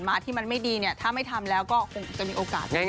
อยากให้เขาดีกว่าอยากให้เขาพร้อมมากกว่านี้ด้วย